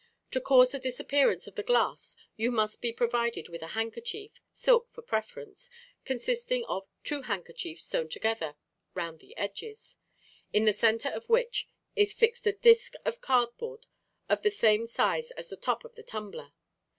To cause the disappearance of the glass you must be provided with a handkerchief, silk for preference, consisting of two handkerchiefs sewn together round the edges, in the center of which is fixed a disc of cardboard of the same size as the top of the tumbler.